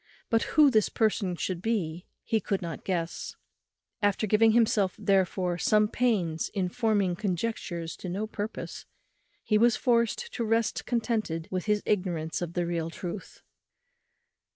But who this person should be he could not guess. After giving himself, therefore, some pains in forming conjectures to no purpose, he was forced to rest contented with his ignorance of the real truth.